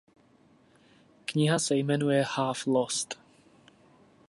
Kniha se jmenuje Half Lost.